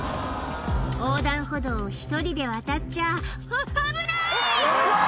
横断歩道を１人で渡っちゃあっ危ない！